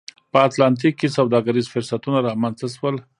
په اتلانتیک کې سوداګریز فرصتونه رامنځته شول